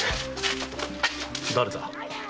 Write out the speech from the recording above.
誰だ？